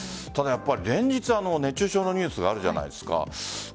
連日、熱中症のニュースがあるじゃないですか。